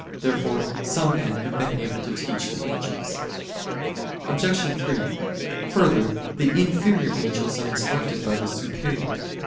Therefore some men have been able to teach the angels. Obj. 3: Further, the inferior angels are instructed by the superior.